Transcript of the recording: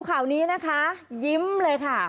ข่าวนี้นะคะยิ้มเลยค่ะ